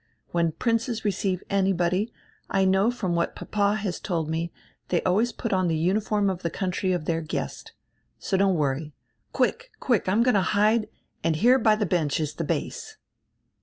When princes receive anybody, I know from what papa has told me, tiiey always put on die uniform of die country of their guest. So don't worry — Quick, quick, I am going to hide and here by die bench is die base."